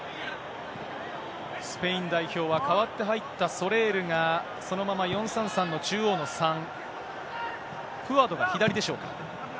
スペイン代表は、代わって入ったソレールが、そのまま４・３・３の中央の３。プアドが左でしょうか。